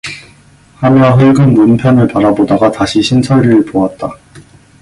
하며 흘금 문 편을 바라보다가 다시 신철이를 보았다.